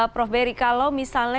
prof beri kalau misalnya